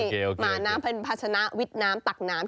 หมาน้ำเป็นภาชนะวิทย์น้ำตักน้ำ